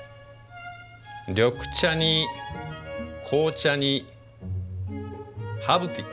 緑茶に紅茶にハーブティー。